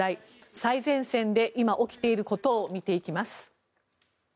最前線で今起きていることを見ていきます。